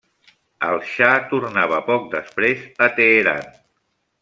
El xa tornava poc després a Teheran.